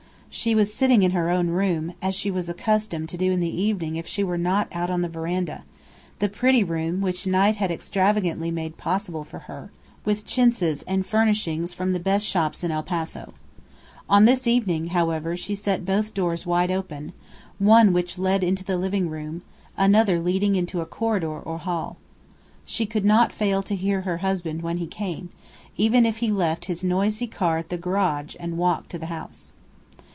She was sitting in her own room, as she was accustomed to do in the evening if she were not out on the veranda the pretty room which Knight had extravagantly made possible for her, with chintzes and furnishings from the best shops in El Paso. On this evening, however, she set both doors wide open, one which led into the living room, another leading into a corridor or hall. She could not fail to hear her husband when he came, even if he left his noisy car at the garage and walked to the house.